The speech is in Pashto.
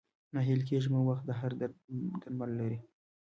ناهيلی کيږه مه ، وخت د هر درد درمل لري